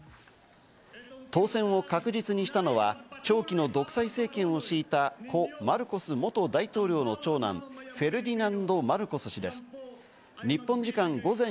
当選を確実にしたのは長期の独裁政権を敷いた故・マルコス元大統領の長男、フェルディナンド・マルコス氏です。